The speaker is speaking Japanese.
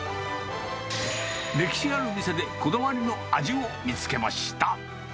歴史ある店でこだわりの味を見つけました。